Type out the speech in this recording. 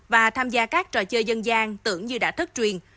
và tham gia các trò chơi dân gian tưởng như đã thất truyền